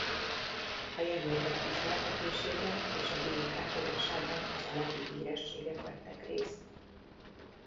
A jelöltek ismertetésében és a díjak átadásában az alábbi hírességek vettek részt.